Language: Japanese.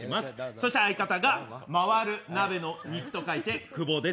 そして相方が回る鍋の肉と書いて、久保です。